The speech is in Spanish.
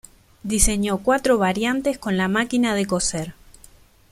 Diseñó cuatro variantes con la máquina de coser.